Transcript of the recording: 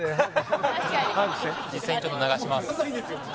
実際にちょっと流します